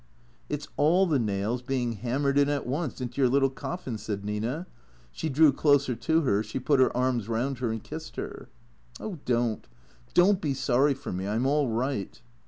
" It 's all the nails being hammered in at once, into your little coffin," said Nina. She drew closer to her, she put her arms round her and kissed her. " Oh, don't ! Don't be sorry for me. I 'm all right."